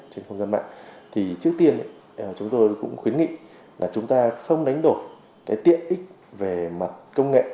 trên không gian mạng thì trước tiên chúng tôi cũng khuyến nghị là chúng ta không đánh đổi tiện ích về mặt công nghệ